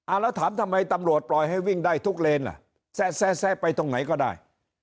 แล้วถามทำไมตำรวจปล่อยให้วิ่งได้ทุกเลนอ่ะแซะไปตรงไหนก็ได้